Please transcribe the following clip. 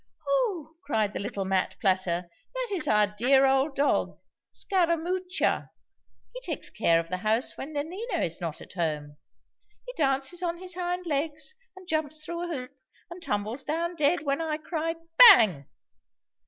'Oh!' cried the little mat plaiter, 'that is our dear old dog, Scarammuccia. He takes care of the house when Nanina is not at home. He dances on his hind legs, and jumps through a hoop, and tumbles down dead when I cry Bang!